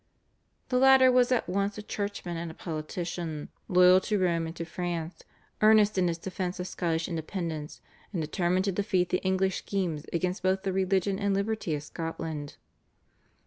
The latter was at once a churchman and a politician, loyal to Rome and to France, earnest in his defence of Scottish independence, and determined to defeat the English schemes against both the religion and liberty of Scotland.